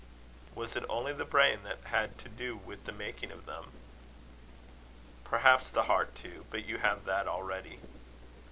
"Was it only the brain that had to do with the making of them?" "Perhaps the heart too; but you have that already."